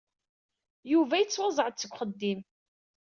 Yuba yettwaẓẓeɛ-d seg uxeddim.